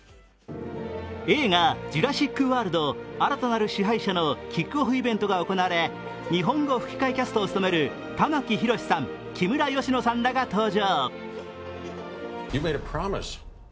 映画「ジュラシック・ワールド新たなる支配者」のキックオフイベントが行われ、日本語吹き替えキャストを務める玉木宏さん、木村佳乃さんらが登場。